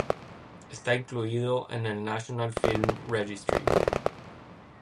Está incluido en el National Film Registry.